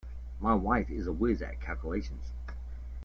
My wife is a whiz at calculating